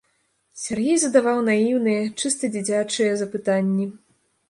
Сяргей задаваў наіўныя, чыста дзіцячыя запытанні.